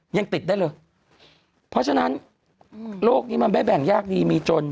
ยังติดได้เลยเพราะฉะนั้นโลกนี้มันไม่แบ่งยากดีมีจน